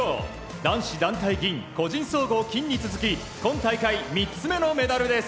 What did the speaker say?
男子団体銀、個人総合金に続き今大会３つ目のメダルです。